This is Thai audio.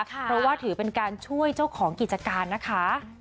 เพราะว่าถือเป็นการช่วยเจ้าของกิจการนะคะ